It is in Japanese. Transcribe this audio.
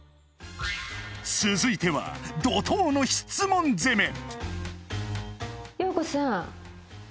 続いては怒とうの質問攻め！